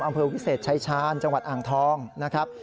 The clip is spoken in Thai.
อำเภอวิเศษชายชาญจังหวัดอ่างทองนะครับ